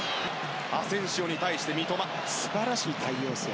アセンシオに対して三笘素晴らしい対応ですよ